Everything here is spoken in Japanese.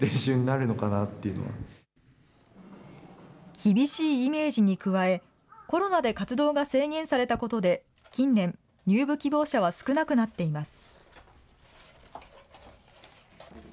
厳しいイメージに加え、コロナで活動が制限されたことで、近年、入部希望者は少なくなっています。